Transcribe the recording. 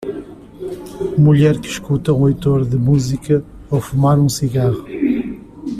Mulher que escuta o leitor de música ao fumar um cigarro.